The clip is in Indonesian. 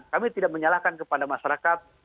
kami tidak menyalahkan kepada masyarakat